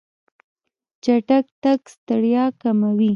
چټک تګ ستړیا کموي.